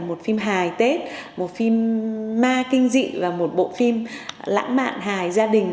một phim hài tết một phim ma kinh dị và một bộ phim lãng mạn hài gia đình